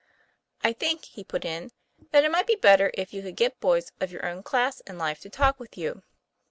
"I think," he put in, "that it might be better if you could get boys of your own class in life to talk with you."